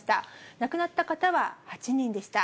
亡くなった方は８人でした。